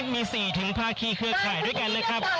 มี๔ภาคีเครือข่ายด้วยกันเลยครับ